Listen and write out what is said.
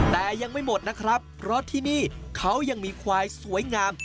แต่ยังไม่หมดนะครับเพราะที่นี่เขายังมีควายสวยงาม